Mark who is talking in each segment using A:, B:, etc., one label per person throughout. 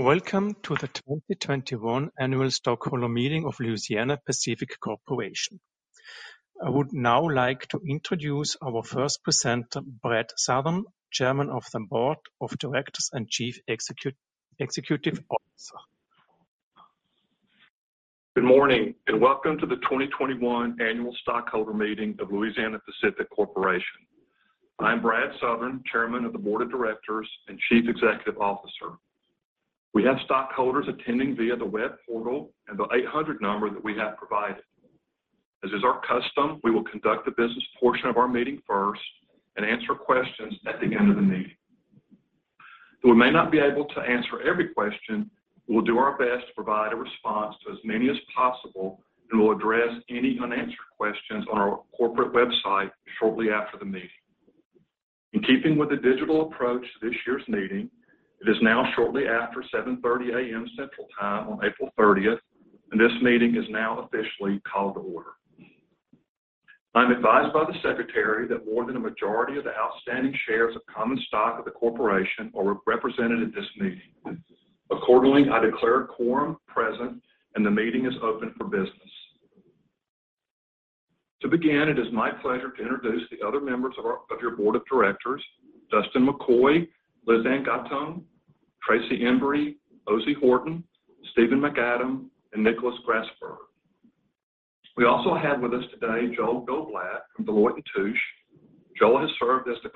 A: Welcome to the 2021 Annual Stockholder Meeting of Louisiana-Pacific Corporation. I would now like to introduce our first presenter, Brad Southern, Chairman of the Board of Directors and Chief Executive Officer.
B: Good morning and welcome to the 2021 Annual Stockholder Meeting of Louisiana-Pacific Corporation. I'm Brad Southern, Chairman of the Board of Directors and Chief Executive Officer. We have stockholders attending via the web portal and the 800 number that we have provided. As is our custom, we will conduct the business portion of our meeting first and answer questions at the end of the meeting. Though we may not be able to answer every question, we'll do our best to provide a response to as many as possible and will address any unanswered questions on our corporate website shortly after the meeting. In keeping with the digital approach to this year's meeting, it is now shortly after 7:30 A.M. Central Time on April 30th, and this meeting is now officially called to order. I'm advised by the Secretary that more than a majority of the outstanding shares of common stock of the corporation are represented at this meeting. Accordingly, I declare quorum present and the meeting is open for business. To begin, it is my pleasure to introduce the other members of your Board of Directors: Dustan McCoy, Lizanne C. Gottung, Tracy A. Embree, Ozey K. Horton Jr., Stephen E. Macadam, and F. Nicholas Grasberger III. We also have with us today Joel Goldblatt from Deloitte & Touche. Joel has served as the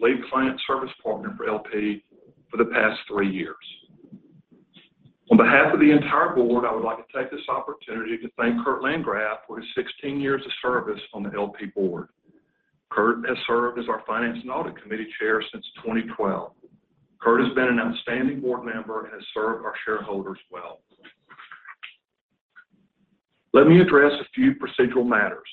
B: lead client service partner for LP for the past three years. On behalf of the entire board, I would like to take this opportunity to thank Kurt Landgraf for his 16 years of service on the LP board. Kurt has served as our Finance and Audit Committee Chair since 2012. Kurt has been an outstanding board member and has served our shareholders well. Let me address a few procedural matters.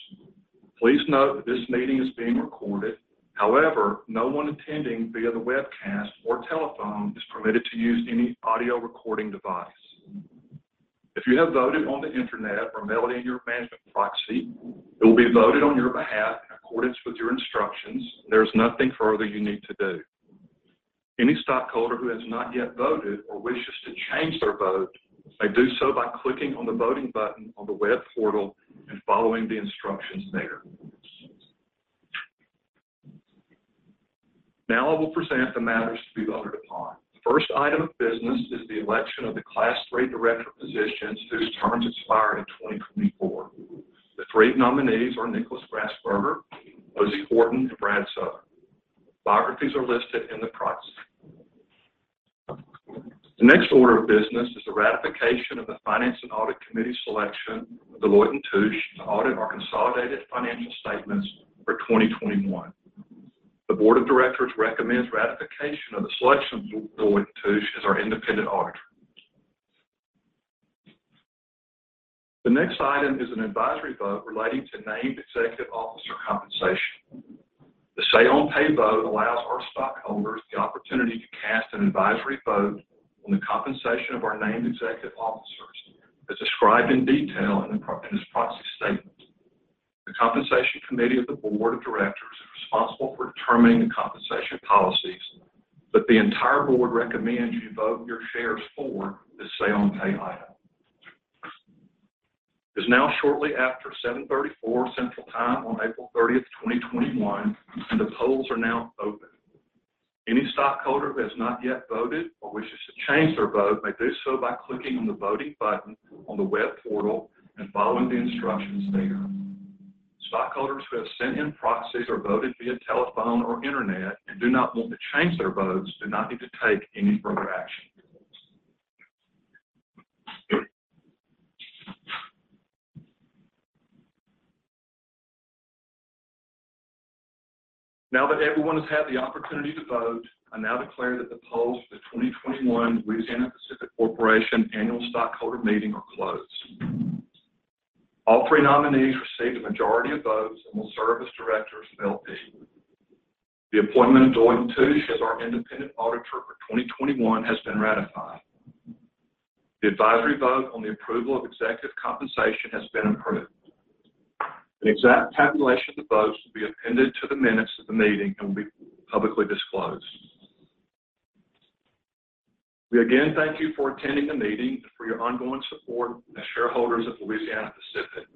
B: Please note that this meeting is being recorded. However, no one attending via the webcast or telephone is permitted to use any audio recording device. If you have voted on the internet or mailed in your management proxy, it will be voted on your behalf in accordance with your instructions, and there is nothing further you need to do. Any stockholder who has not yet voted or wishes to change their vote may do so by clicking on the voting button on the web portal and following the instructions there. Now I will present the matters to be voted upon. The first item of business is the election of the Class III Director positions whose terms expire in 2024. The three nominees are Nicholas Grasberger, Ozey Horton, and Brad Southern. Biographies are listed in the proxy. The next order of business is the ratification of the Finance and Audit Committee selection of Deloitte & Touche to audit our consolidated financial statements for 2021. The Board of Directors recommends ratification of the selection of Deloitte & Touche as our independent auditor. The next item is an advisory vote relating to named executive officer compensation. The say-on-pay vote allows our stockholders the opportunity to cast an advisory vote on the compensation of our named executive officers, as described in detail in this proxy statement. The Compensation Committee of the Board of Directors is responsible for determining the compensation policies, but the entire board recommends you vote your shares for this say-on-pay item. It is now shortly after 7:34 Central Time on April 30th, 2021, and the polls are now open. Any stockholder who has not yet voted or wishes to change their vote may do so by clicking on the voting button on the web portal and following the instructions there. Stockholders who have sent in proxies or voted via telephone or internet and do not want to change their votes do not need to take any further action. Now that everyone has had the opportunity to vote, I now declare that the polls for the 2021 Louisiana-Pacific Corporation Annual Stockholder Meeting are closed. All three nominees received a majority of votes and will serve as directors of LP. The appointment of Deloitte & Touche as our independent auditor for 2021 has been ratified. The advisory vote on the approval of executive compensation has been approved. An exact tabulation of the votes will be appended to the minutes of the meeting and will be publicly disclosed. We again thank you for attending the meeting and for your ongoing support as shareholders of Louisiana-Pacific.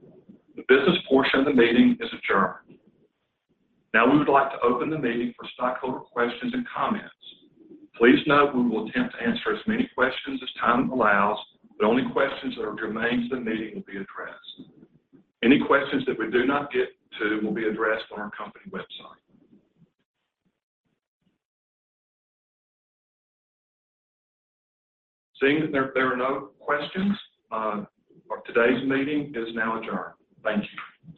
B: The business portion of the meeting is adjourned. Now we would like to open the meeting for stockholder questions and comments. Please note we will attempt to answer as many questions as time allows, but only questions that are germane to the meeting will be addressed. Any questions that we do not get to will be addressed on our company website. Seeing that there are no questions, today's meeting is now adjourned. Thank you.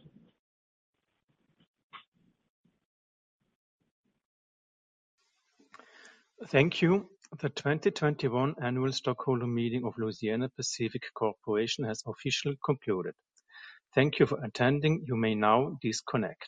A: Thank you. The 2021 Annual Stockholder Meeting of Louisiana-Pacific Corporation has officially concluded. Thank you for attending. You may now disconnect.